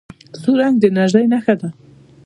سور رنګ د انرژۍ نښه ده.